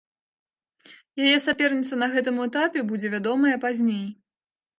Яе саперніца на гэтым этапе будзе вядомая пазней.